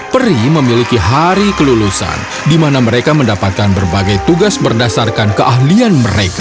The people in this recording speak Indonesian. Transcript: peri memiliki hari kelulusan di mana mereka mendapatkan berbagai tugas berdasarkan keahlian mereka